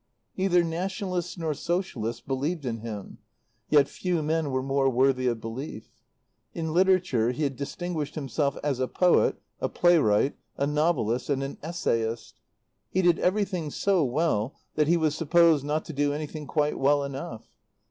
Neither Nationalists nor Socialists believed in him; yet few men were more worthy of belief. In literature he had distinguished himself as a poet, a playwright, a novelist and an essayist. He did everything so well that he was supposed not to do anything quite well enough.